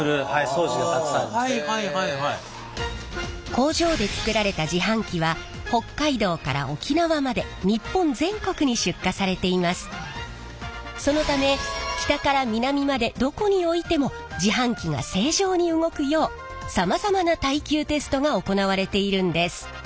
工場で作られた自販機は北海道から沖縄までそのため北から南までどこに置いても自販機が正常に動くようさまざまな耐久テストが行われているんです。